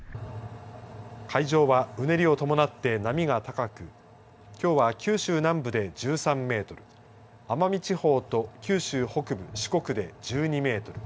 海上はうねりを伴って波が高くきょうは九州南部で１３メートル奄美地方と九州北部、四国で１２メートル